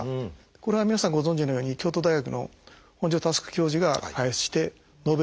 これは皆さんご存じのように京都大学の本庶佑教授が開発してノーベル賞をもらいましたね。